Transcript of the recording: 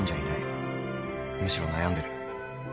むしろ悩んでる。